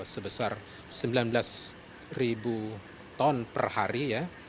sebesar sembilan belas ton per hari